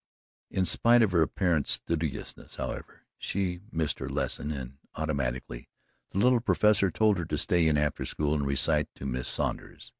In spite of her apparent studiousness, however, she missed her lesson and, automatically, the little Professor told her to stay in after school and recite to Miss Saunders.